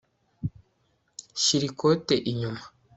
shyira ikote inyuma